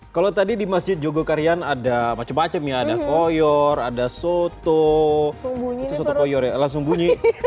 kalau tadi di masjid jogokaryan ada macem macem ya ada koyor ada soto langsung bunyi